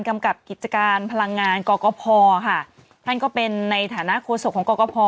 กับกิจการพลังงานกรกภค่ะท่านก็เป็นในฐานะโฆษกของกรกภ